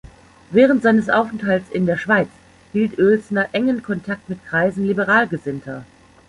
Während seines Aufenthalts in der Schweiz hielt Oelsner engen Kontakt mit Kreisen liberal Gesinnter.